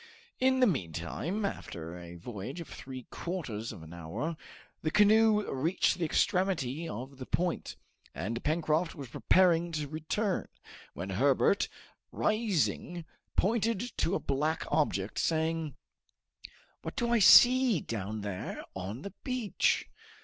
In the meantime, after a voyage of three quarters of an hour, the canoe reached the extremity of the point, and Pencroft was preparing to return, when Herbert, rising, pointed to a black object, saying, "What do I see down there on the beach?"